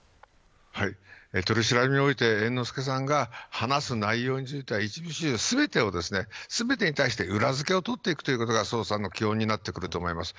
取り調べにおいて猿之助さんが話す内容自体一部始終、全てに対して裏付けを取っていくということが捜査の基本になってくると思います。